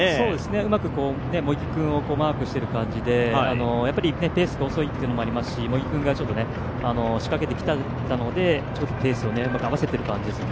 うまく茂木君をマークしている感じでペースが遅いというのもありますし、茂木君が仕掛けてきたのでペースを合わせている感じですよね。